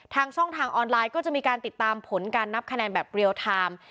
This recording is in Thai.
ทางช่องทางออนไลน์ก็จะมีการติดตามผลการนับคะแนนแบบเรียลไทม์